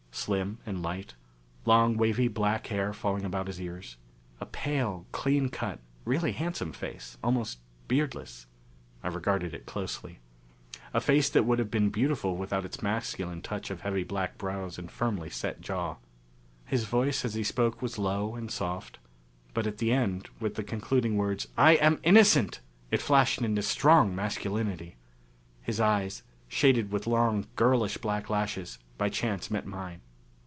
Slim and slight. Long, wavy black hair, falling about his ears. A pale, clean cut, really handsome face, almost beardless. I regarded it closely. A face that would have been beautiful without its masculine touch of heavy black brows and firmly set jaw. His voice as he spoke was low and soft; but at the end, with the concluding words, "I am innocent!" it flashed into strong masculinity. His eyes, shaded with long girlish black lashes, by chance met mine.